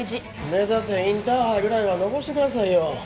「目指せインターハイ」ぐらいは残してくださいよ。